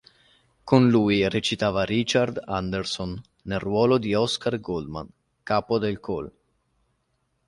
Con lui recitava Richard Anderson, nel ruolo di Oscar Goldman, capo del Col.